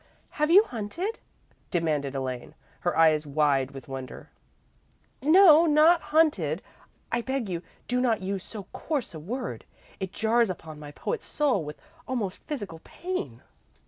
"Have you hunted?" demanded Elaine, her eyes wide with wonder. "No not hunted. I beg you, do not use so coarse a word. It jars upon my poet's soul with almost physical pain."